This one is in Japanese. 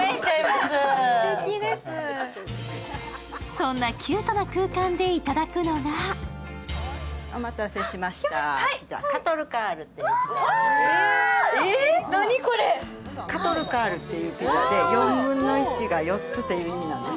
そんなキュートな空間でいただくのがカトルカールというピザで４分の１が４つという意味なんです。